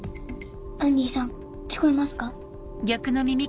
アンディさん聞こえますか？